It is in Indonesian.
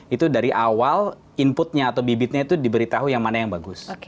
itu dari awal inputnya atau bibitnya itu diberitahu yang mana yang bagus